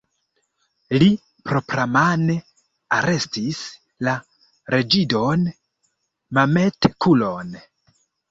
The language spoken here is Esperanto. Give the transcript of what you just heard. Li propramane arestis la reĝidon Mametkulon.